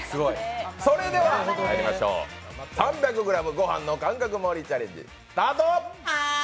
それではまいりましょう、３００ｇごはんの感覚盛りチャレンジ、スタート！